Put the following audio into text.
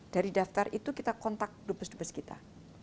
dari daftar itu kita kontak dubes dubes kita